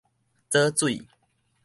藻水